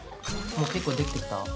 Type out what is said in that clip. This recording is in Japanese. もう結構できてきた？